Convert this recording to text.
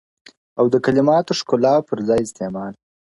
• او د کلماتو ښکلا او پر ځای استعمال -